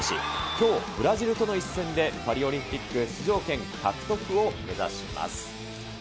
きょう、ブラジルとの一戦でパリオリンピック出場権獲得を目指します。